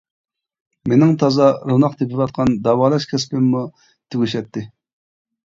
مېنىڭ تازا روناق تېپىۋاتقان داۋالاش كەسپىممۇ تۈگىشەتتى.